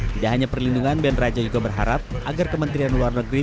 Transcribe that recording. tidak hanya perlindungan band raja juga berharap agar kementerian luar negeri